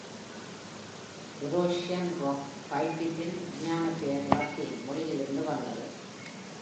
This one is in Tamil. Eurasian rock pipitன் விஞ்ஞானப் பெயர் லத்தீன் மொழியிலிருந்து வந்தது.